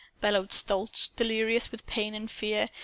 bellowed Stolz, delirious with pain and fear.